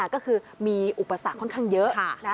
ก็คือมีอุปสรรคค่อนข้างเยอะ